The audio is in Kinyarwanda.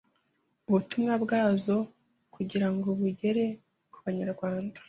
ubutumwa bwazo kugira ngo bugere ku banyarwanda